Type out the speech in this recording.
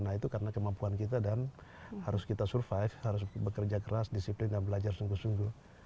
nah itu karena kemampuan kita dan harus kita survive harus bekerja keras disiplin dan belajar sungguh sungguh